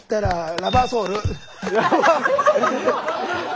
ラバーソール。